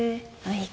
はい。